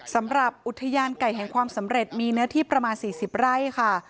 สำหรับอุทยานไก่แห่งความสำเร็จมีเนื้อที่ประมาณ๔๐ไร่ค่ะ